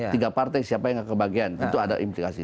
kalau tiga partai tidak kebagian itu ada komplikasi